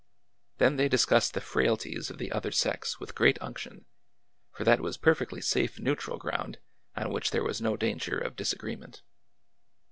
Then they discussed the frailties of the other sex with great unction, for that was perfectly safe neutral ground on which there was no danger of disa greement.